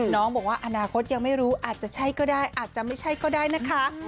น้องบอกว่าอนาคตยังไม่รู้อาจจะใช่ก็ได้อาจจะไม่ใช่ก็ได้นะคะ